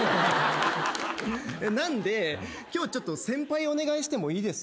なんで今日はちょっと先輩お願いしてもいいですか？